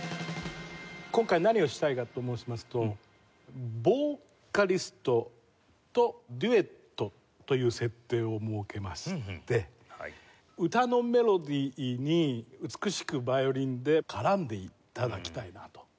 今回何をしたいかと申しますとヴォーカリストとデュエットという設定を設けまして歌のメロディに美しくヴァイオリンで絡んで頂きたいなと。